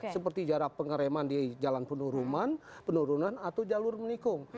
seperti jarak pengereman di jalan penurunan atau jalur menikung